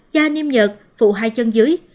da niêm nhật phụ hai chân dưới